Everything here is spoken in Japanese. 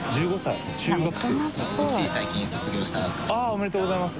おめでとうございます。